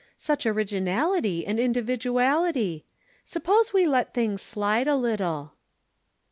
Such originality and individuality! Suppose we let things slide a little."